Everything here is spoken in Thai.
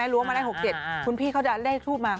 รู้ว่ามาได้๖๗คุณพี่เขาจะเลขทูปมา